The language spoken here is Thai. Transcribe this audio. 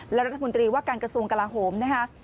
และรัฐมนตรีว่าการกระทรวงกลาโหมนะคะ